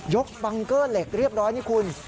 บังเกอร์เหล็กเรียบร้อยนี่คุณ